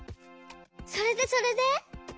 それでそれで？